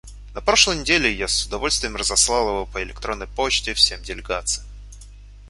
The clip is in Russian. На прошлой неделе я с удовольствием разослал его по электронной почте всем делегациям.